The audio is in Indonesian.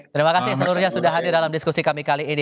terima kasih seluruhnya sudah hadir dalam diskusi kami kali ini